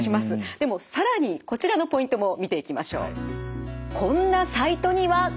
でも更にこちらのポイントも見ていきましょう。